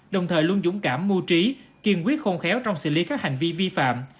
đồng thời luôn dũng cảm mu trí kiên quyết khôn khéo trong xử lý các hành vi vi phạm